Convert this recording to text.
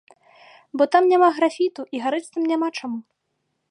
Бо там няма графіту і гарэць там няма чаму.